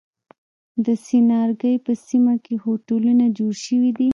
د څنارګی په سیمه کی هوټلونه جوړ شوی دی.